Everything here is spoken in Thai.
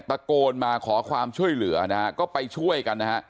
ตะโกนมาขอความช่วยเหลือนะฮะก็ไปช่วยกันนะฮะ